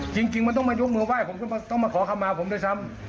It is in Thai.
จริงมันก็มึงมึงไหว้ผมต้องมาขอครรภ์มาผมด้วยซ้ำ